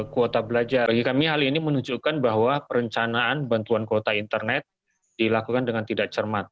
kuota belajar bagi kami hal ini menunjukkan bahwa perencanaan bantuan kuota internet dilakukan dengan tidak cermat